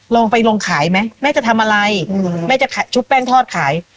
ลองไปลองขายไหมแม่จะทำอะไรแม่จะขายชุบแป้งทอดขาย